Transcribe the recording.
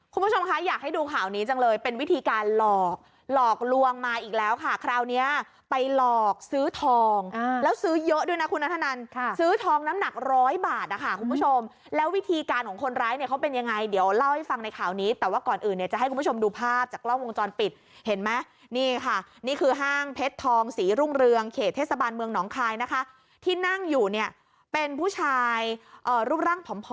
คุณผู้ชมคะอยากให้ดูข่าวนี้จังเลยเป็นวิธีการหลอกหลอกลวงมาอีกแล้วค่ะคราวเนี้ยไปหลอกซื้อทองอ่าแล้วซื้อเยอะดูนะคุณนัทธนันค่ะซื้อทองน้ำหนักร้อยบาทอะค่ะคุณผู้ชมแล้ววิธีการของคนร้ายเนี้ยเขาเป็นยังไงเดี๋ยวเล่าให้ฟังในข่าวนี้แต่ว่าก่อนอื่นเนี้ยจะให้คุณผู้ชมดูภาพจากล่องวงจร